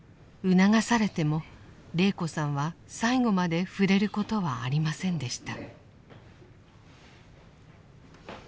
促されても禮子さんは最後まで触れることはありませんでした。